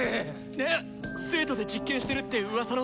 えっ生徒で実験してるってうわさの？